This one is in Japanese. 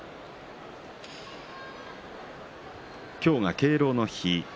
今日は敬老の日。